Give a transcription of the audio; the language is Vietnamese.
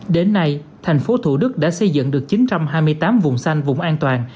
đến nay thành phố thủ đức đã xây dựng được chín trăm hai mươi tám vùng xanh vùng an toàn